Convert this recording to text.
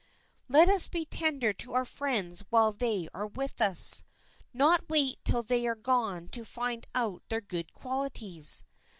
Let us be tender to our friends while they are with us,—not wait till they are gone to find out their good qualities.